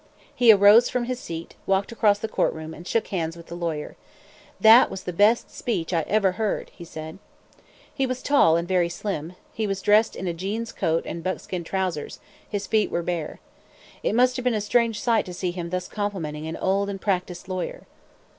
He arose from his seat, walked across the courtroom, and shook hands with the lawyer. "That was the best speech I ever heard," he said. He was tall and very slim; he was dressed in a jeans coat and buckskin trousers; his feet were bare. It must have been a strange sight to see him thus complimenting an old and practiced lawyer.